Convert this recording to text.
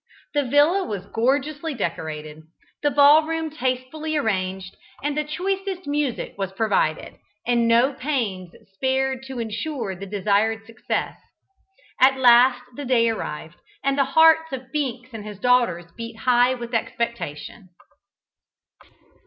The villa was gorgeously decorated, the ball room tastefully arranged, the choicest music was provided, and no pains spared to ensure the desired success. At last the day arrived, and the hearts of Binks and his daughters beat high with expectation.